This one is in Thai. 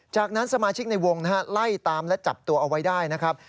จากนั้นสมาชิกในวงไล่ตามและจับตัวเอาไว้ได้นะครับ